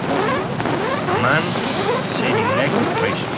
A man shaving neck with razor.